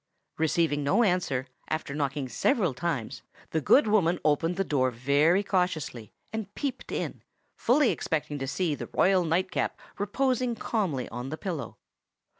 Receiving no answer, after knocking several times, the good woman opened the door very cautiously, and peeped in, fully expecting to see the royal nightcap reposing calmly on the pillow.